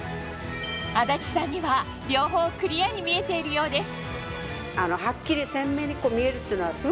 安達さんには両方クリアに見えているようです